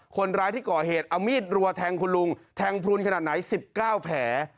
คนร้ายที่ก่อเหตุเอามีดรัวแทงคุณลุงแทงพลุนขนาดไหน๑๙แผล